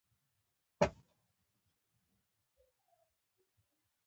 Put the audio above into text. زه د خپل ځان غمخور یم.